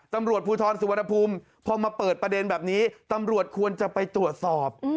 ตำรวจภูทรสุวรรณภูมิพอมาเปิดประเด็นแบบนี้ตำรวจควรจะไปตรวจสอบ